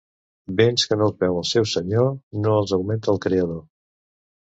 Béns que no els veu el seu senyor, no els augmenta el Creador.